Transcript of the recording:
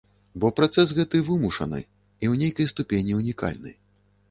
Бо працэс гэты вымушаны і ў нейкай ступені унікальны.